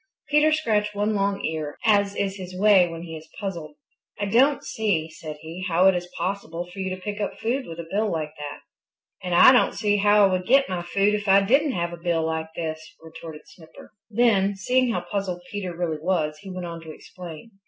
Peter scratched one long ear, as is his way when he is puzzled. "I don't see," said he, "how it is possible for you to pick up food with a bill like that." "And I don't see how I would get my food if I didn't have a bill like this," retorted Snipper. Then, seeing how puzzled Peter really was, he went on to explain.